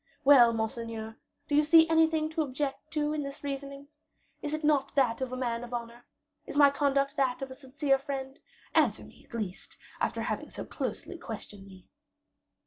Well, monseigneur, do you see anything to object to in this reasoning? Is it not that of a man of honor? Is my conduct that of a sincere friend? Answer me, at least, after having so closely questioned me."